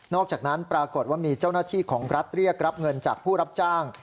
จากนั้นปรากฏว่ามีเจ้าหน้าที่ของรัฐเรียกรับเงินจากผู้รับจ้าง